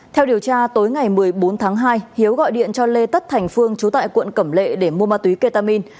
theo điều tra tối ngày một mươi bốn tháng hai hiếu gọi điện cho lê tất thành phương trú tại quận cẩm lệ để mua ma túy ketamin